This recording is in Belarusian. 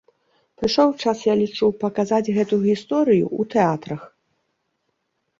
Прыйшоў час, я лічу, паказаць гэтую гісторыю ў тэатрах!